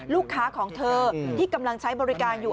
ของเธอที่กำลังใช้บริการอยู่